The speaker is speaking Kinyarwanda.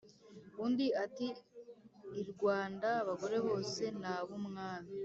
undi ati"irwanda abagore bose n’abumwami